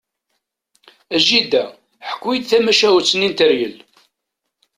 A jida, ḥku-iyi-d tamacahut-nni n teryel!